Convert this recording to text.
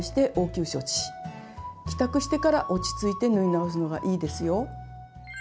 帰宅してから落ち着いて縫い直すのがいいですよ。